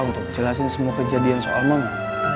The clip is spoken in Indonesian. untuk jelasin semua kejadian soal mau